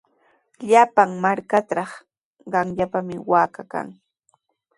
Llapan markatraw qamllapami waaka kan.